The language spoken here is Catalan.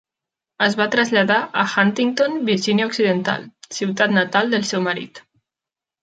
Es va traslladar a Huntington, Virgínia Occidental, ciutat natal del seu marit.